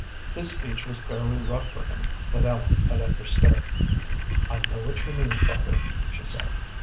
This speech was fairly rough for him, but Ellen had understood. "I know what you mean, father," she said.